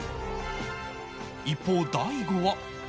一方大悟は